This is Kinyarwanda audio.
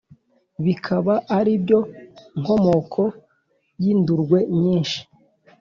Bikaba ari byo nkomokoyindurwe nyinshi